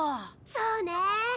そうね。